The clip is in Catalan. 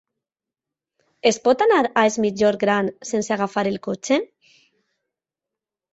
Es pot anar a Es Migjorn Gran sense agafar el cotxe?